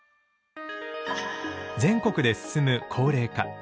全国で進む高齢化。